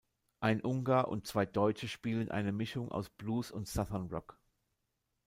Ein Ungar und zwei Deutsche spielen eine Mischung aus Blues und Southern Rock.